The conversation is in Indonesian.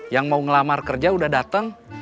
yang mau ngelamar kerja udah datang